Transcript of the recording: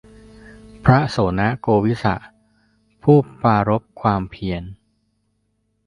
พระโสณโกฬิวิสะ ผู้ปรารภความเพียร